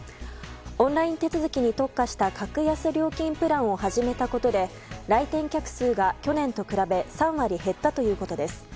オンライン手続きに特化した格安料金プランを始めたことで来店客数が、去年と比べ３割減ったということです。